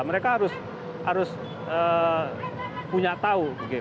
mereka harus punya tahu